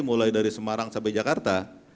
mulai dari semarang sampai jakarta